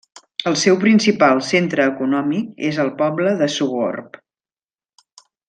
El seu principal centre econòmic és el poble de Sogorb.